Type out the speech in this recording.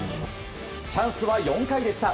チャンスは４回でした。